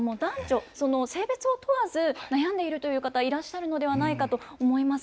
性別を問わず悩んでいるという方いらっしゃるのではないかと思います。